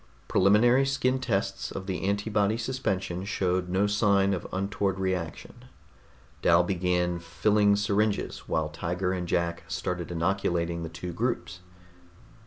Preliminary skin tests of the antibody suspension showed no sign of untoward reaction. Dal began filling syringes while Tiger and Jack started inoculating the two groups.